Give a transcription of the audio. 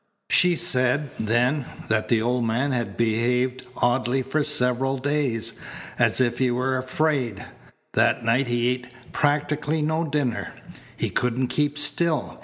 She said, then, that the old man had behaved oddly for several days, as if he were afraid. That night he ate practically no dinner. He couldn't keep still.